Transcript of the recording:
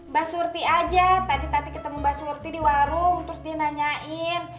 mbak surti aja tadi tadi ketemu mbak surti di warung terus dinanyain